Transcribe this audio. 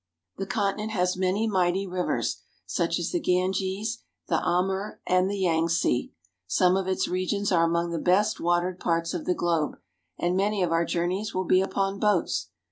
The continent has many mighty rivers, such as the Ganges, the Amur, and the Yangtze ; some of its regions are among the best watered parts of the globe, and many of our journeys will be upon boats.